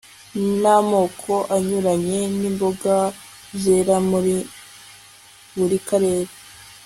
namoko anyuranye yimboga zera muri buri karere